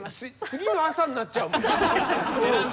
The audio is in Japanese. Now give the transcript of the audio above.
次の朝になっちゃうもん。